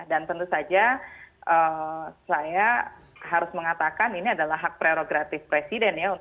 dan tentu saja saya harus mengatakan ini adalah hak prerogatif presiden ya